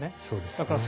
そうですね。